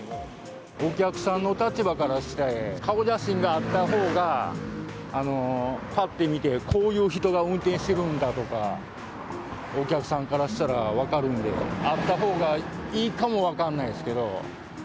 お客さんの立場からして、顔写真があったほうが、ぱって見て、こういう人が運転してるんだとか、お客さんからしたら分かるんで、あったほうがいいかも分かんないですけど。